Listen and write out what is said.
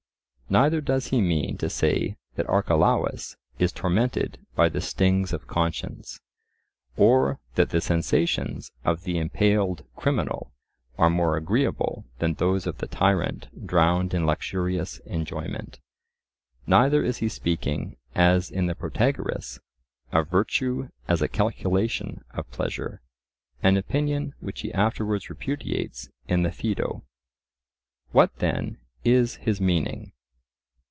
Neither does he mean to say that Archelaus is tormented by the stings of conscience; or that the sensations of the impaled criminal are more agreeable than those of the tyrant drowned in luxurious enjoyment. Neither is he speaking, as in the Protagoras, of virtue as a calculation of pleasure, an opinion which he afterwards repudiates in the Phaedo. What then is his meaning?